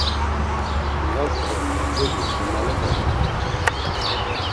Lazi do Mergeli cumalepe renan.